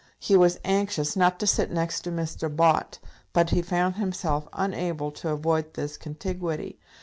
He was anxious not to sit next to Mr. Bott, but he found himself unable to avoid this contiguity.